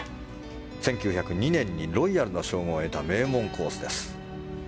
１９０２年にロイヤルの称号を受けた名門コースです。